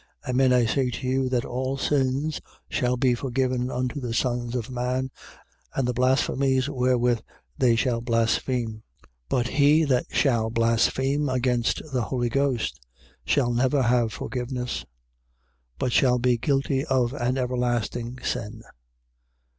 3:28. Amen I say to you that all sins shall be forgiven unto the sons of men, and the blasphemies wherewith they shall blaspheme: 3:29. But he that shall blaspheme against the Holy Ghost, shall never have forgiveness, but shall be guilty of an everlasting sin.